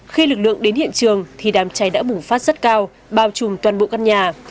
khi lực lượng đến hiện trường thì đám cháy đã bùng phát rất cao bao trùm toàn bộ căn nhà